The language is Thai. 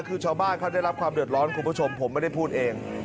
คือชาวบ้านเขาได้รับความเดือดร้อนคุณผู้ชมผมไม่ได้พูดเอง